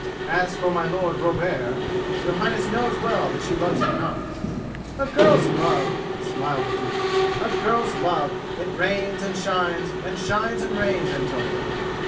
As for my Lord Robert, your Highness knows well that she loves him not." "A girl's love!" smiled the Duke. "A girl's love! It rains and shines, and shines and rains, Antonio."